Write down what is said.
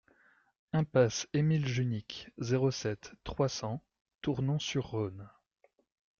Impasse Émile Junique, zéro sept, trois cents Tournon-sur-Rhône